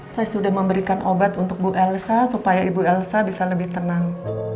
saya sudah memberikan obat untuk bu elsa supaya ibu elsa bisa lebih tenang